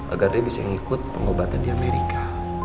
agar dia bisa mengikut pengobatan di amerika